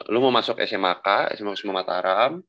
lu mau masuk sma ka sma lima mataram